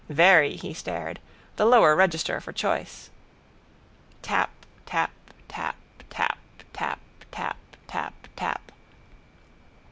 —Very, he stared. The lower register, for choice. Tap. Tap. Tap. Tap. Tap. Tap. Tap. Tap.